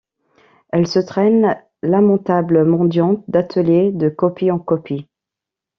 Elle se traîne, lamentable mendiante d’atelier, de copie en copie.